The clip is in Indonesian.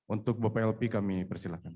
untuk bapak lv kami persilahkan